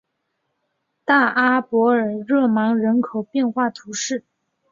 大阿伯尔热芒人口变化图示